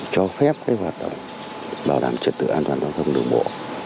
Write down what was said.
cho phép hoạt động bảo đảm trật tự an toàn giao thông đường bộ